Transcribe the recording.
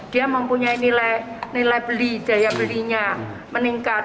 dia mempunyai nilai daya belinya meningkat